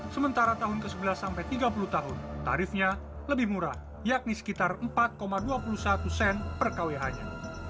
sementara tahun ke sebelas sampai tiga puluh tahun tarifnya lebih murah yakni sekitar empat dua puluh satu sen per kwh nya